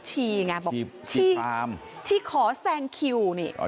ใช้คำว่าชีไงชีคาม